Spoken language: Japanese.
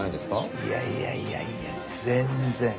いやいやいやいや全然。